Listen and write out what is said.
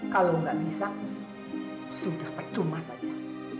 kalau nggak bisa sudah percuma saja